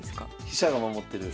飛車が守ってる。